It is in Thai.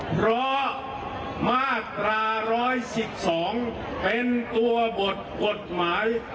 เพราะมาตรา๑๑๒เป็นตัวบทกฎหมาย